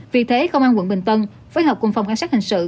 vì thế công an quận bình tân phối hợp cùng phòng cảnh sát hình sự